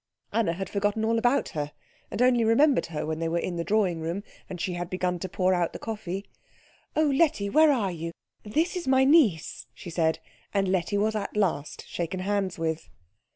Anna had forgotten all about her, and only remembered her when they were in the drawing room and she had begun to pour out the coffee. "Oh, Letty, where are you? This is my niece," she said; and Letty was at last shaken hands with.